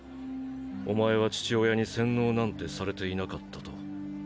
お前は父親に洗脳なんてされていなかったと。